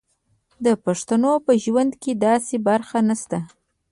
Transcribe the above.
د پښتنو په ژوند کې داسې برخه نشته.